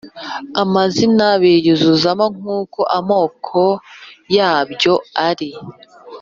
amazi biyuzuramo nk’uko amoko yabyo ari.